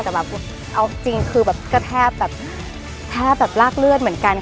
แต่แบบเอาจริงคือแทบรากเลือดเหมือนกัน